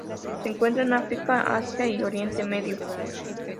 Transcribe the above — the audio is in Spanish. Se encuentra en África, Asia y Oriente Medio.